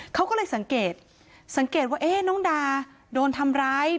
เขาก็เลยสังเกตสังเกตว่าน้องดาโดนทำร้าย